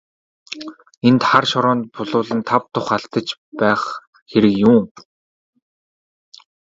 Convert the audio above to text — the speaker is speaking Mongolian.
Энд хар шороонд булуулан тав тух алдаж байх хэрэг юун.